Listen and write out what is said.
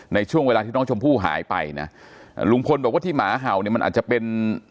ในช่วงเวลาที่น้องชมพู่หายไปนะลุงพลบอกว่าที่หมาเห่าเนี่ยมันอาจจะเป็น